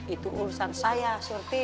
itu urusan saya surti